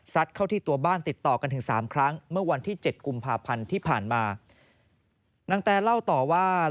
สัดเข้าที่ตัวบ้านติดต่อกันถึง๓ครั้งเมื่อวันที่๗กุมภาพันธ์ที่ผ่านมา